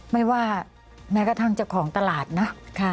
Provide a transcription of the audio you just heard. ไม่ว่าแม้กระทั่งเจ้าของตลาดนะ